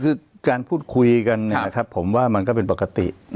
คือการพูดคุยกันผมว่ามันก็เป็นปกติ